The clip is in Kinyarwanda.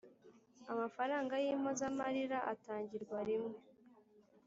amafaranga y’impozamarira atangirwa rimwe